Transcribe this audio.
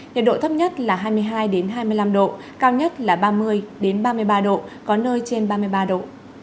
nhiệt độ thấp nhất là hai mươi hai hai mươi năm độ cao nhất là ba mươi ba mươi ba độ có nơi trên ba mươi ba độ